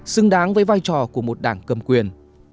xứng đáng với vai trò của một đảng cầm quyền